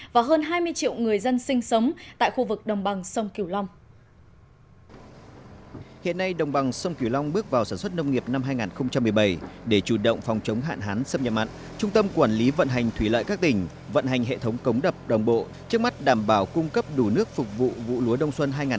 và hơn hai mươi triệu người dân sinh sống tại khu vực đồng bằng sông cửu long